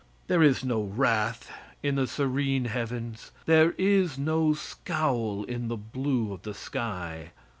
There is no wrath in the serene heavens; there is no scowl in the blue of the sky.